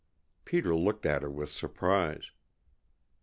Peter looked at her with surprise.